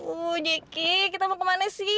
uh jeki kita mau ke mana sih